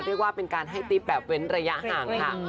เรียกว่าเป็นการให้ติ๊บแบบเว้นระยะห่างค่ะ